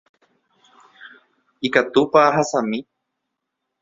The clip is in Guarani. Ikatúpa ahasami